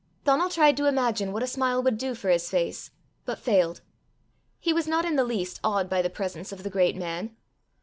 Donal tried to imagine what a smile would do for his face, but failed. He was not in the least awed by the presence of the great man.